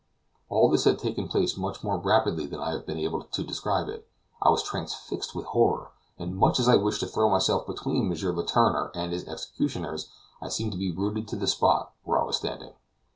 All this had taken place much more rapidly than I have been able to describe it. I was transfixed with horror, and much as I wished to throw myself between M. Letourneur and his executioners, I seemed to be rooted to the spot where I was standing.